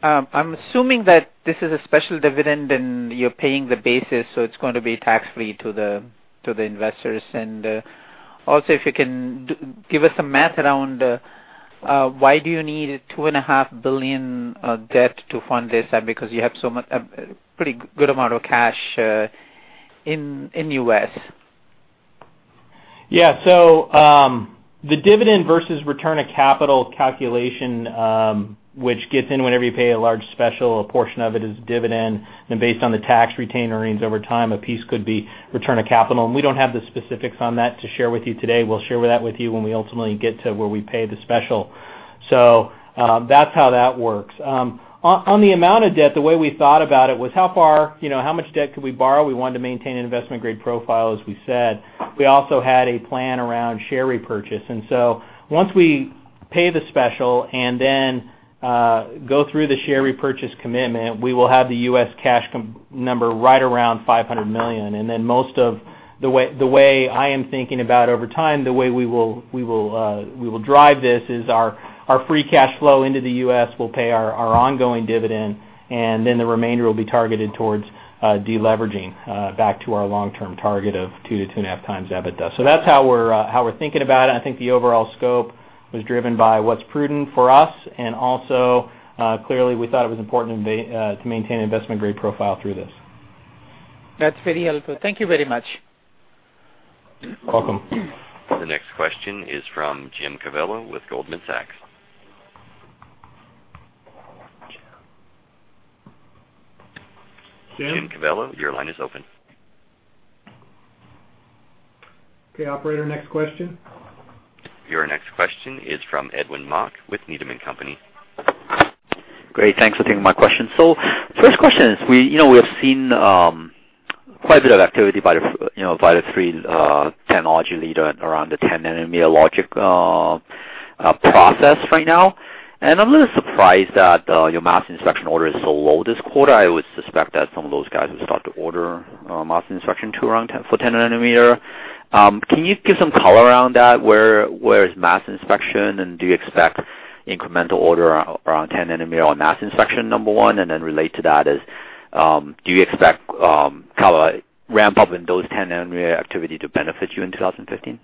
I'm assuming that this is a special dividend and you're paying the basis, so it's going to be tax-free to the investors. Also, if you can give us some math around why do you need $2.5 billion of debt to fund this, because you have a pretty good amount of cash in U.S. The dividend versus return of capital calculation, which gets in whenever you pay a large special, a portion of it is dividend. Based on the tax retained earnings over time, a piece could be return of capital. We don't have the specifics on that to share with you today. We'll share that with you when we ultimately get to where we pay the special. That's how that works. On the amount of debt, the way we thought about it was how much debt could we borrow? We wanted to maintain an investment-grade profile, as we said. We also had a plan around share repurchase. Once we pay the special and then go through the share repurchase commitment, we will have the U.S. cash number right around $500 million. The way I am thinking about over time, the way we will drive this is our free cash flow into the U.S. will pay our ongoing dividend, the remainder will be targeted towards de-leveraging back to our long-term target of 2 to 2.5 times EBITDA. That's how we're thinking about it. I think the overall scope was driven by what's prudent for us, and also, clearly, we thought it was important to maintain an investment-grade profile through this. That's very helpful. Thank you very much. Welcome. The next question is from Jim Covello with Goldman Sachs. Jim? Jim Covello, your line is open. Okay, operator, next question. Your next question is from Edwin Mok with Needham & Company. Great. Thanks for taking my question. First question is, we have seen quite a bit of activity by the three technology leader around the 10 nanometer logic process right now. I'm a little surprised that your mask inspection order is so low this quarter. I would suspect that some of those guys would start to order a mask inspection tool for 10 nanometer. Can you give some color around that? Where is mask inspection, and do you expect incremental order around 10 nanometer on mask inspection, number one? Relate to that is, do you expect kind of a ramp-up in those 10 nanometer activity to benefit you in 2015?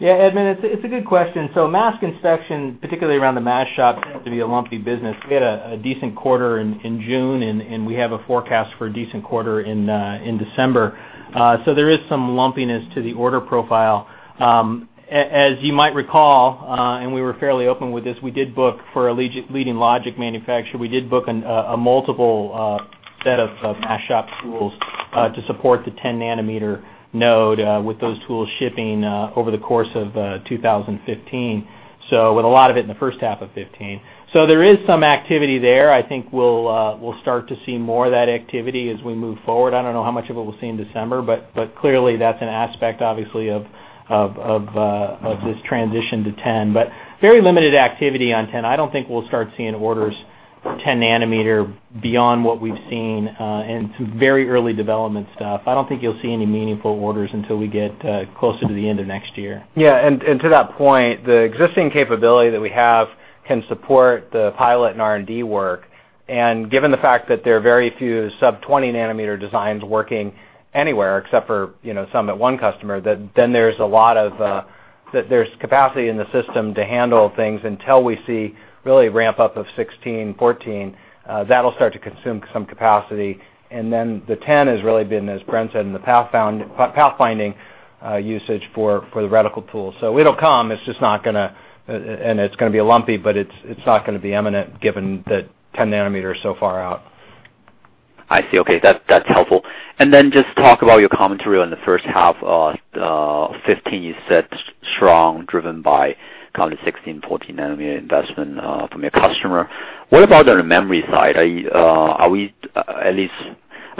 Yeah, Edwin, it's a good question. Mask inspection, particularly around the mask shop, tends to be a lumpy business. We had a decent quarter in June, we have a forecast for a decent quarter in December. There is some lumpiness to the order profile. As you might recall, we were fairly open with this, for a leading logic manufacturer, we did book a multiple set of mask shop tools to support the 10 nanometer node, with those tools shipping over the course of 2015, with a lot of it in the first half of 2015. There is some activity there. I think we'll start to see more of that activity as we move forward. I don't know how much of it we'll see in December, clearly, that's an aspect, obviously, of this transition to 10. Very limited activity on 10. I don't think we'll start seeing orders for 10 nanometer beyond what we've seen in some very early development stuff. I don't think you'll see any meaningful orders until we get closer to the end of next year. To that point, the existing capability that we have can support the pilot and R&D work. Given the fact that there are very few sub-20 nanometer designs working anywhere except for some at one customer, there's capacity in the system to handle things until we see really ramp-up of 16, 14. That'll start to consume some capacity. The 10 has really been, as Bren said, in the path-finding usage for the reticle tool. It will come. It's going to be lumpy, but it's not going to be eminent given that 10 nanometer is so far out. I see. Okay, that's helpful. Just talk about your commentary on the first half of 2015. You said strong, driven by kind of the 16, 14 nanometer investment from your customer. What about on the memory side? Are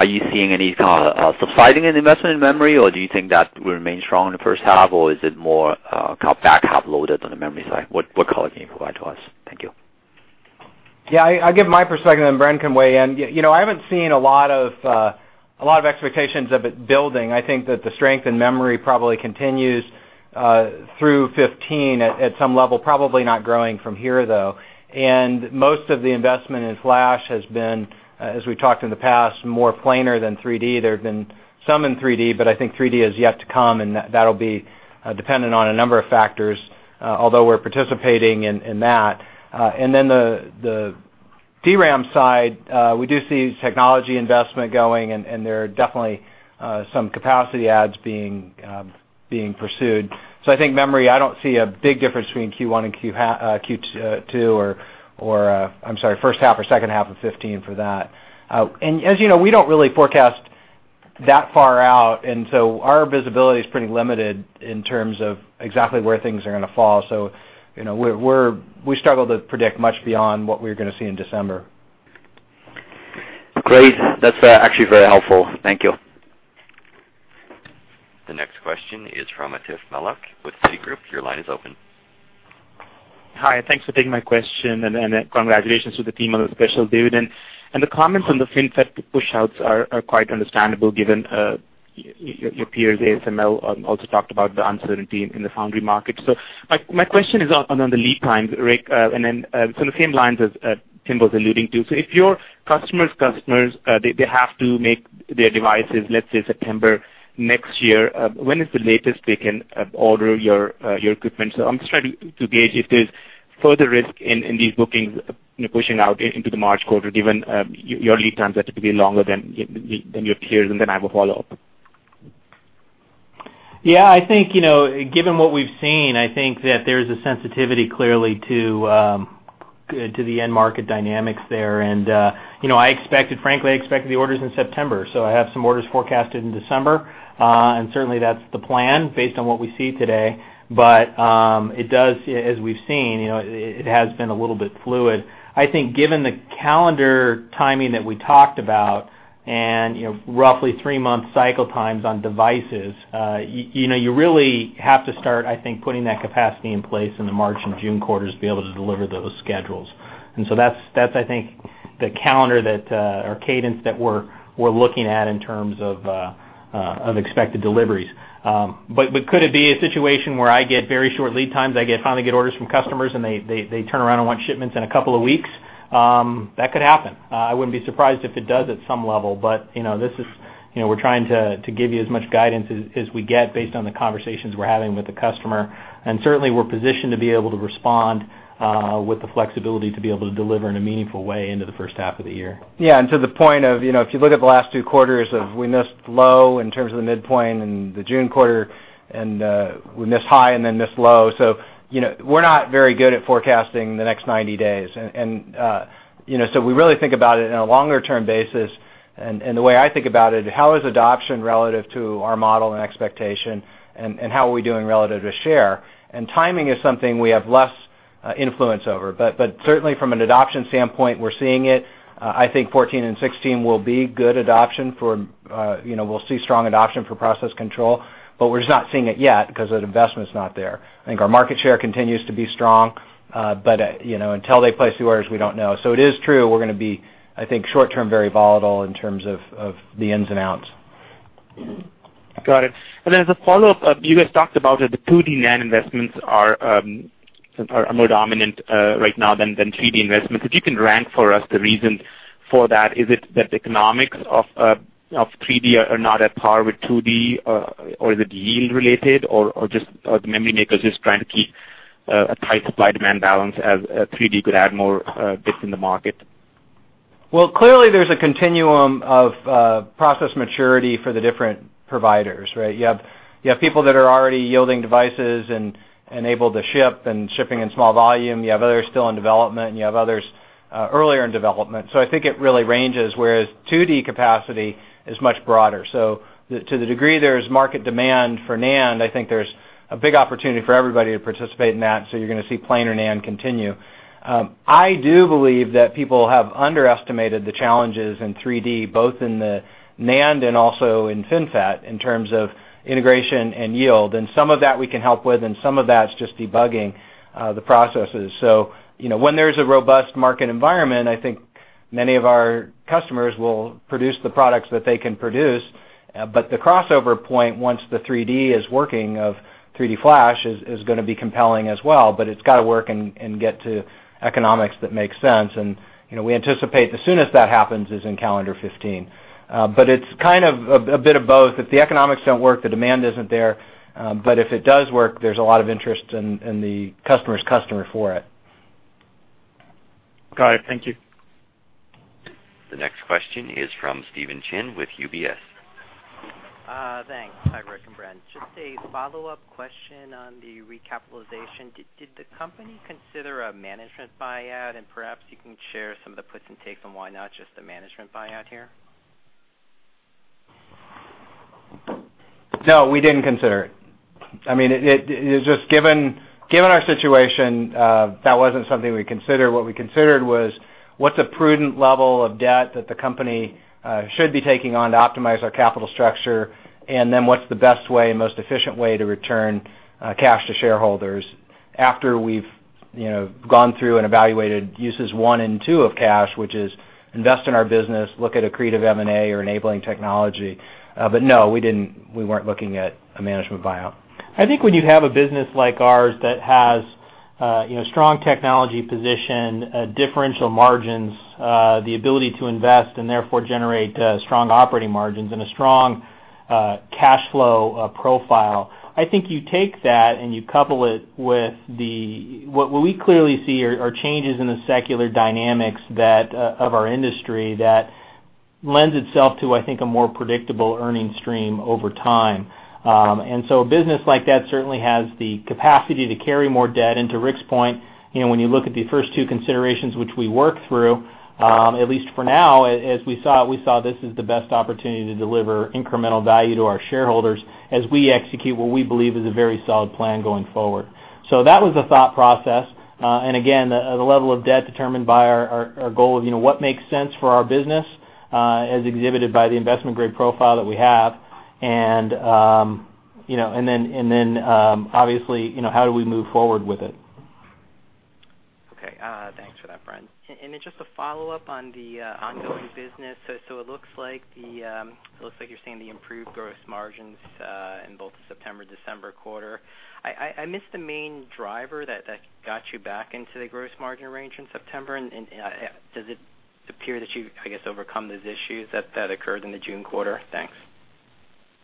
you seeing any kind of subsiding in investment in memory, or do you think that will remain strong in the first half, or is it more kind of back-half loaded on the memory side? What color can you provide to us? Thank you. I'll give my perspective, Bren can weigh in. I haven't seen a lot of expectations of it building. I think that the strength in memory probably continues through 2015 at some level, probably not growing from here, though. Most of the investment in flash has been, as we've talked in the past, more planar than 3D. There have been some in 3D, but I think 3D has yet to come, that'll be dependent on a number of factors, although we're participating in that. The DRAM side, we do see technology investment going, there are definitely some capacity adds being pursued. I think memory, I don't see a big difference between Q1 and Q2, or I'm sorry, first half or second half of 2015 for that. As you know, we don't really forecast That far out. Our visibility is pretty limited in terms of exactly where things are going to fall. We struggle to predict much beyond what we're going to see in December. Great. That's actually very helpful. Thank you. The next question is from Atif Malik with Citigroup. Your line is open. Hi. Thanks for taking my question, and congratulations to the team on the special dividend. The comments on the FinFET push-outs are quite understandable given your peers. ASML also talked about the uncertainty in the foundry market. My question is on the lead times, Rick, then on the same lines as Tim was alluding to. If your customer's customers, they have to make their devices, let's say September next year, when is the latest they can order your equipment? I'm just trying to gauge if there's further risk in these bookings pushing out into the March quarter, given your lead times are typically longer than your peers. I have a follow-up. Yeah, I think, given what we've seen, I think that there is a sensitivity clearly to the end market dynamics there. Frankly, I expected the orders in September, so I have some orders forecasted in December. Certainly, that's the plan based on what we see today. As we've seen, it has been a little bit fluid. I think given the calendar timing that we talked about and roughly 3-month cycle times on devices, you really have to start, I think, putting that capacity in place in the March and June quarters to be able to deliver those schedules. That's, I think, the calendar or cadence that we're looking at in terms of expected deliveries. Could it be a situation where I get very short lead times, I finally get orders from customers, and they turn around and want shipments in a couple of weeks? That could happen. I wouldn't be surprised if it does at some level. We're trying to give you as much guidance as we get based on the conversations we're having with the customer. Certainly, we're positioned to be able to respond with the flexibility to be able to deliver in a meaningful way into the first half of the year. Yeah. To the point of, if you look at the last two quarters, we missed low in terms of the midpoint in the June quarter, and we missed high and then missed low. We're not very good at forecasting the next 90 days. We really think about it in a longer-term basis. The way I think about it, how is adoption relative to our model and expectation, and how are we doing relative to share? Timing is something we have less influence over. Certainly, from an adoption standpoint, we're seeing it. I think 14 and 16 will be good adoption for, we'll see strong adoption for process control, but we're just not seeing it yet because that investment's not there. I think our market share continues to be strong. Until they place the orders, we don't know. It is true, we're going to be, I think, short-term very volatile in terms of the ins and outs. Got it. As a follow-up, you guys talked about the 2D NAND investments are more dominant right now than 3D investments. If you can rank for us the reason for that, is it that the economics of 3D are not at par with 2D, or is it yield related, or are the memory makers just trying to keep a tight supply-demand balance as 3D could add more bits in the market? Well, clearly, there's a continuum of process maturity for the different providers, right? You have people that are already yielding devices and able to ship and shipping in small volume. You have others still in development, and you have others earlier in development. I think it really ranges, whereas 2D capacity is much broader. To the degree there is market demand for NAND, I think there's a big opportunity for everybody to participate in that, so you're going to see planar NAND continue. I do believe that people have underestimated the challenges in 3D, both in the NAND and also in FinFET, in terms of integration and yield. Some of that we can help with, and some of that's just debugging the processes. When there's a robust market environment, I think many of our customers will produce the products that they can produce. The crossover point, once the 3D is working, of 3D flash, is going to be compelling as well, but it's got to work and get to economics that make sense. We anticipate the soonest that happens is in calendar 2015. It's kind of a bit of both. If the economics don't work, the demand isn't there. If it does work, there's a lot of interest in the customer's customer for it. Got it. Thank you. The next question is from Stephen Chin with UBS. Thanks. Hi, Rick and Bren. Just a follow-up question on the recapitalization. Did the company consider a management buyout, and perhaps you can share some of the puts and takes on why not just the management buyout here? No, we didn't consider it. Given our situation, that wasn't something we considered. What we considered was what's a prudent level of debt that the company should be taking on to optimize our capital structure, then what's the best way and most efficient way to return cash to shareholders after we've gone through and evaluated uses one and two of cash, which is invest in our business, look at accretive M&A or enabling technology. No, we weren't looking at a management buyout. I think when you have a business like ours that has a strong technology position, differential margins, the ability to invest, and therefore generate strong operating margins and a strong cash flow profile, I think you take that and you couple it with what we clearly see are changes in the secular dynamics of our industry that lends itself to, I think, a more predictable earnings stream over time. A business like that certainly has the capacity to carry more debt. To Rick's point, when you look at the first two considerations, which we worked through At least for now, as we saw it, we saw this is the best opportunity to deliver incremental value to our shareholders as we execute what we believe is a very solid plan going forward. That was the thought process. Again, the level of debt determined by our goal of what makes sense for our business, as exhibited by the investment grade profile that we have, obviously, how do we move forward with it? Okay, thanks for that, Bren. Just a follow-up on the ongoing business. It looks like you're seeing the improved gross margins in both the September, December quarter. I missed the main driver that got you back into the gross margin range in September. Does it appear that you, I guess, overcome those issues that occurred in the June quarter? Thanks.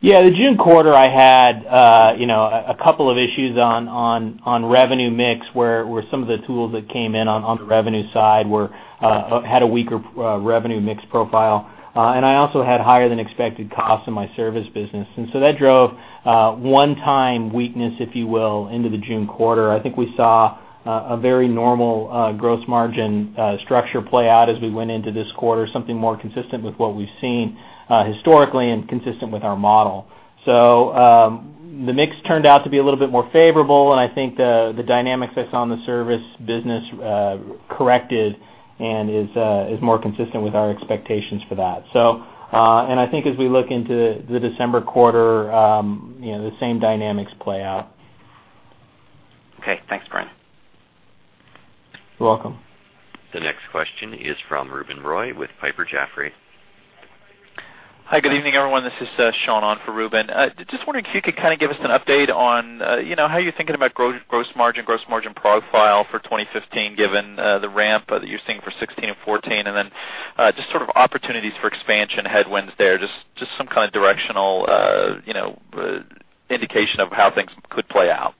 Yeah, the June quarter, I had a couple of issues on revenue mix, where some of the tools that came in on the revenue side had a weaker revenue mix profile. I also had higher than expected costs in my service business. That drove one-time weakness, if you will, into the June quarter. I think we saw a very normal gross margin structure play out as we went into this quarter, something more consistent with what we've seen historically and consistent with our model. The mix turned out to be a little bit more favorable, and I think the dynamics I saw on the service business corrected and is more consistent with our expectations for that. I think as we look into the December quarter, the same dynamics play out. Okay, thanks, Bren. You're welcome. The next question is from Ruben Roy with Piper Jaffray. Hi, good evening, everyone. This is Sean on for Ruben. Just wondering if you could kind of give us an update on how you're thinking about gross margin, gross margin profile for 2015, given the ramp that you're seeing for 2016 and 2014, and then just sort of opportunities for expansion headwinds there, just some kind of directional indication of how things could play out.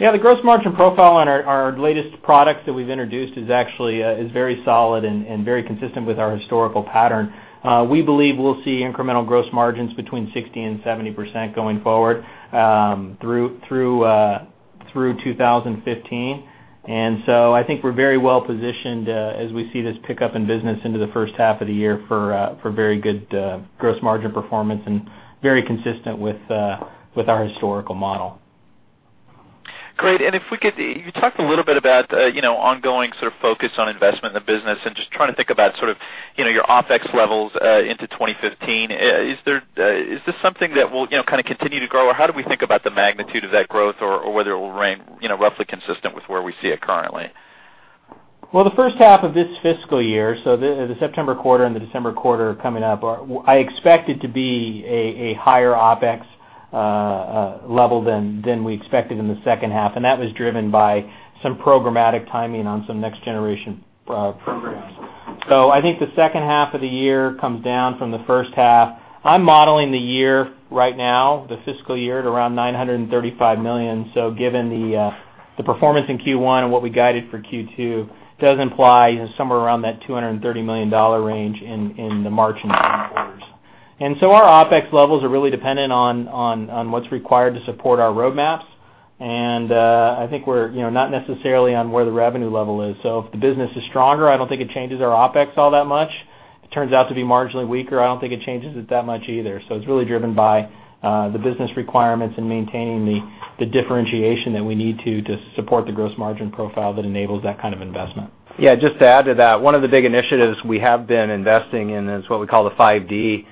Yeah, the gross margin profile on our latest products that we've introduced is actually very solid and very consistent with our historical pattern. We believe we'll see incremental gross margins between 60% and 70% going forward, through 2015. I think we're very well positioned as we see this pickup in business into the first half of the year for very good gross margin performance and very consistent with our historical model. Great. You talked a little bit about ongoing sort of focus on investment in the business and just trying to think about sort of your OpEx levels into 2015. Is this something that will kind of continue to grow, or how do we think about the magnitude of that growth or whether it will remain roughly consistent with where we see it currently? Well, the first half of this fiscal year, so the September quarter and the December quarter coming up, I expect it to be a higher OpEx level than we expected in the second half. That was driven by some programmatic timing on some next generation programs. I think the second half of the year comes down from the first half. I'm modeling the year right now, the fiscal year, at around $935 million. Given the performance in Q1 and what we guided for Q2, does imply somewhere around that $230 million range in the March and June quarters. Our OpEx levels are really dependent on what's required to support our roadmaps. I think we're not necessarily on where the revenue level is. If the business is stronger, I don't think it changes our OpEx all that much. If it turns out to be marginally weaker, I don't think it changes it that much either. It's really driven by the business requirements and maintaining the differentiation that we need to support the gross margin profile that enables that kind of investment. Just to add to that, one of the big initiatives we have been investing in is what we call the 5D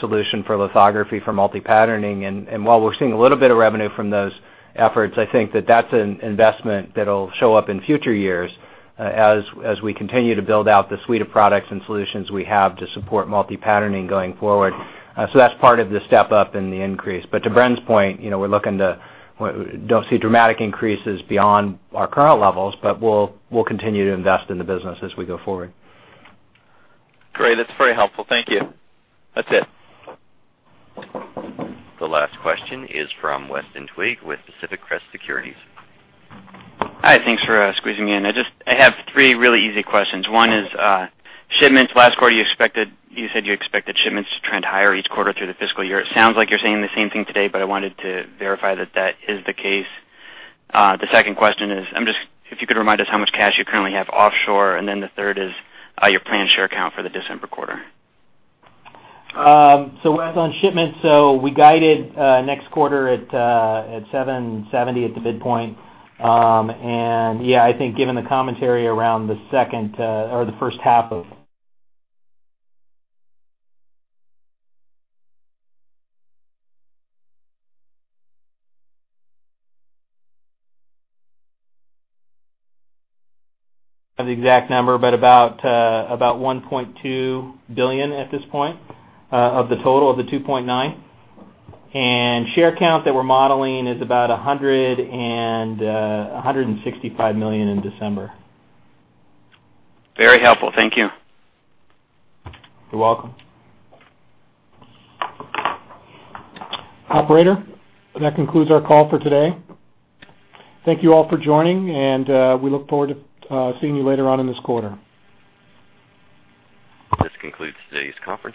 solution for lithography, for multi-patterning. While we're seeing a little bit of revenue from those efforts, I think that that's an investment that'll show up in future years as we continue to build out the suite of products and solutions we have to support multi-patterning going forward. That's part of the step up in the increase. To Bren's point, we don't see dramatic increases beyond our current levels, but we'll continue to invest in the business as we go forward. Great. That's very helpful. Thank you. That's it. The last question is from Weston Twigg with Pacific Crest Securities. Hi, thanks for squeezing me in. I have three really easy questions. One is, shipments last quarter, you said you expected shipments to trend higher each quarter through the fiscal year. It sounds like you're saying the same thing today, but I wanted to verify that that is the case. The second question is, if you could remind us how much cash you currently have offshore. The third is your planned share count for the December quarter. Weston, on shipments, so we guided next quarter at $770 at the midpoint. Yeah, I think given the commentary around the first half of the exact number, but about $1.2 billion at this point, of the total of the $2.9. Share count that we're modeling is about $165 million in December. Very helpful. Thank you. You're welcome. Operator, that concludes our call for today. Thank you all for joining, and we look forward to seeing you later on in this quarter. This concludes today's conference.